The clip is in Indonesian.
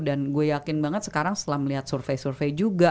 dan gue yakin banget sekarang setelah melihat survei survei juga